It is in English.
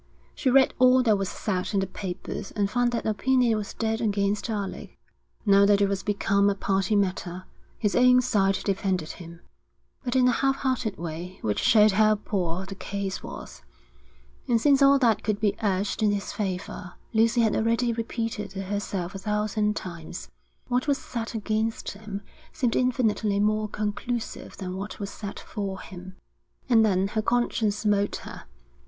She read all that was said in the papers and found that opinion was dead against Alec. Now that it was become a party matter, his own side defended him; but in a half hearted way, which showed how poor the case was. And since all that could be urged in his favour, Lucy had already repeated to herself a thousand times, what was said against him seemed infinitely more conclusive than what was said for him. And then her conscience smote her.